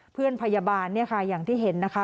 เพื่อนพยาบาลอย่างที่เห็นนะคะ